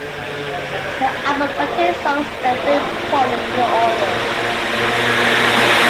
The album contained songs that were very important to the authors.